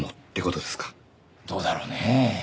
どうだろうね。